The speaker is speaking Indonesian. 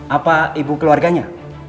apa ibu keluarganya